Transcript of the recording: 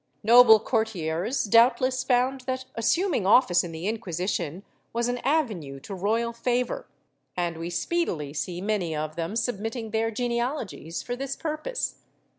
^ Noble cour tiers doubtless found that assuming office in the Inquisition was an avenue to royal favor, and we speedily see many of them sub mitting their genealogies for this purpose.